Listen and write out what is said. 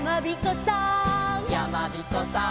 「やまびこさん」